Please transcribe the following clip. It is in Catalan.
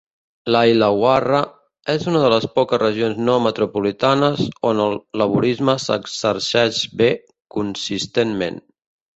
La Illawarra és una de les poques regions no-metropolitanes on el Laborisme s'exerceix bé, consistentment.